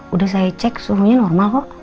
udah saya cek suhunya normal kok